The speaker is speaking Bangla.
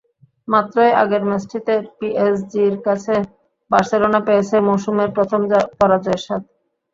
মাত্রই আগের ম্যাচটিতে পিএসজির কাছে বার্সেলোনা পেয়েছে মৌসুমের প্রথম পরাজয়ের স্বাদ।